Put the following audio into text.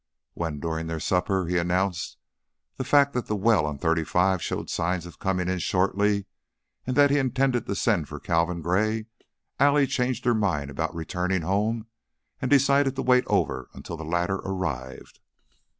When, during their supper, he announced the fact that the well on thirty five showed signs of coming in shortly, and that he intended to send for Calvin Gray, Allie changed her mind about returning home and decided to wait over until the latter arrived.